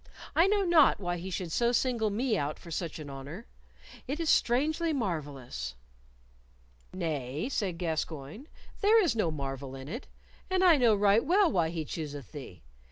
I know not why he should so single me out for such an honor. It is strangely marvellous." "Nay," said Gascoyne, "there is no marvel in it, and I know right well why he chooseth thee.